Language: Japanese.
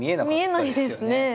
見えないですね。